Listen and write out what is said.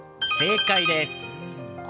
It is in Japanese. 正解です。